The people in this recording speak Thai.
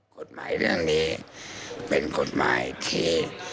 กฎหมายเรื่องนี้เป็นกฎหมายที่